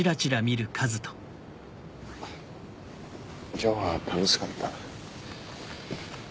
今日は楽しかった。